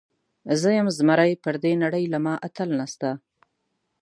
زه یم زمری، پر دې نړۍ له ما اتل نسته.